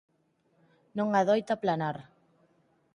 Non adoita planar.